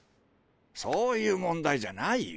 そういう問題じゃないよ。